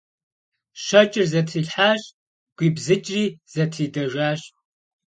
Щэкӏыр зэтрилъхьэщ, гуибзыкӏри зэтридэжащ.